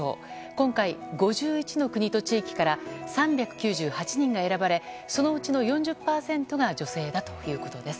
今回、５１の国と地域から３９８人が選ばれそのうちの４０％が女性だということです。